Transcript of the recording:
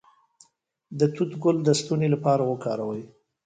د توت ګل د ستوني لپاره وکاروئ